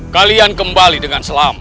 kalian kembali dengan selama